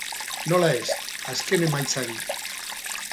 Nola ez, azken emaitzari.